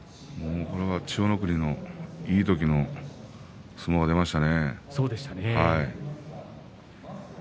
これは千代の国のいい時の相撲が出ましたね。